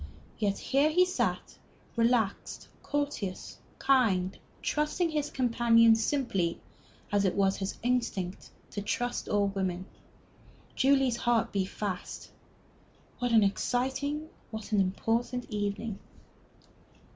Yet here he sat, relaxed, courteous, kind, trusting his companions simply, as it was his instinct to trust all women. Julie's heart beat fast. What an exciting, what an important evening!...